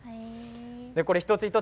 一つ一つ